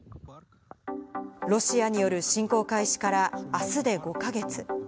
ロシアによる侵攻開始からあすで５か月。